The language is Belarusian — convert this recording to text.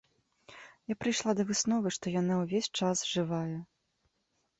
Я прыйшла да высновы, што яна ўвесь час жывая.